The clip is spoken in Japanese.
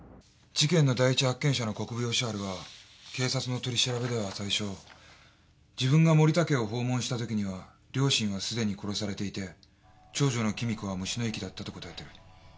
事件の第一発見者の国府吉春は警察の取り調べでは最初自分が森田家を訪問したときには両親はすでに殺されていて長女の貴美子は虫の息だったと答えてる。